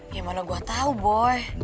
ya mana gue tau boy